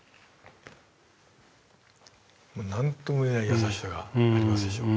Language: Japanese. もう何ともいえない優しさがありますでしょう。